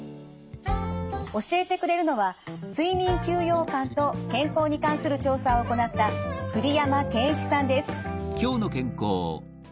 教えてくれるのは睡眠休養感と健康に関する調査を行った栗山健一さんです。